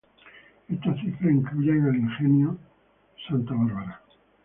Estas cifras incluyen al Ingenio Santa Bárbara.